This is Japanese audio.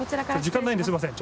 時間ないんですいません。